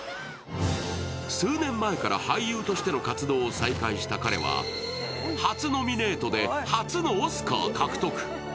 数年前から俳優としての活動を再開した彼は初ノミネートで初のオスカー獲得。